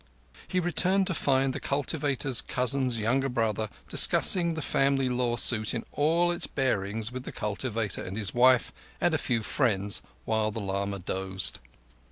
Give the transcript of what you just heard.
He returned to find the cultivator's cousin's younger brother discussing the family law suit in all its bearings with the cultivator and his wife and a few friends, while the lama dozed.